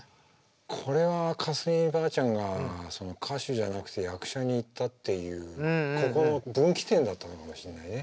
これは架純ばあちゃんが歌手じゃなくて役者にいったっていうここ分岐点だったのかもしれないね。